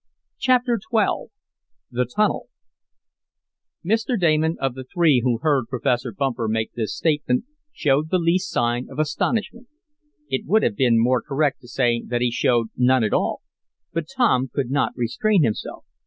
Chapter XII The Tunnel Mr. Damon, of the three who heard Professor Bumper make this statement, showed the least sign of astonishment. It would have been more correct to say that he showed none at all. But Tom could not restrain himself.